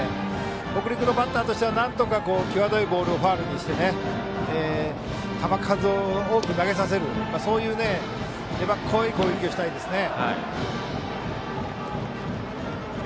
北陸のバッターとしてはなんとか際どいボールをファウルにして球数を多く投げさせる粘っこい攻撃をしたいですね。